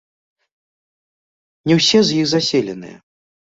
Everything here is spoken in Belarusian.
Не ўсе з іх заселеныя.